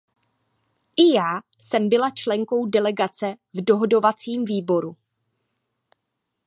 I já jsem byla členkou delegace v dohodovacím výboru.